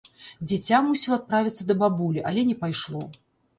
Дзіця мусіла адправіцца да бабулі, але не пайшло.